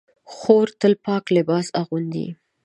خور تل پاک لباس اغوندي.